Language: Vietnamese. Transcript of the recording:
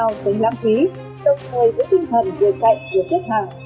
mạo mật cao tránh lãng phí tập hợi với tinh thần vừa chạy vừa thiết hạng